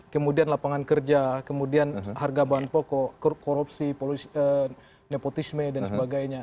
kemudian lapangan kerja kemudian harga bahan pokok korupsi nepotisme dan sebagainya